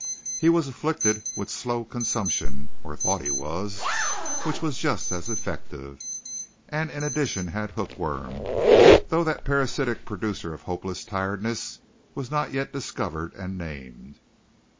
He was afflicted with slow consumption or thought he was, which was just as effective, and in addition had hook worm, though that parasitic producer of hopeless tiredness was not yet discovered and named.